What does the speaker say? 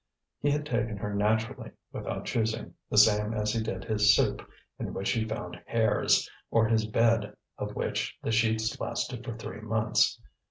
He had taken her naturally, without choosing, the same as he did his soup in which he found hairs, or his bed of which the sheets lasted for three months.